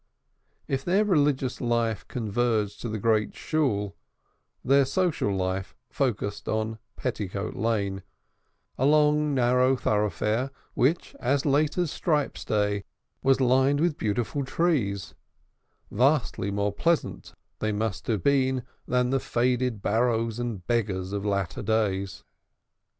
If their religious life converged to the Great Shool, their social life focussed on Petticoat Lane, a long, narrow thoroughfare which, as late as Strype's day, was lined with beautiful trees: vastly more pleasant they must have been than the faded barrows and beggars of after days.